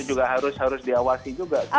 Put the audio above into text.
juga harus diawasi juga